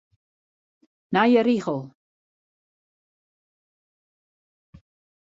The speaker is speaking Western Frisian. Nije rigel.